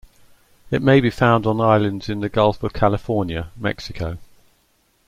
It may be found on islands in the Gulf of California, Mexico.